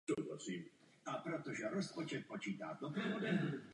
Přesto ji ale využil například Karel Hynek Mácha v díle "Máj".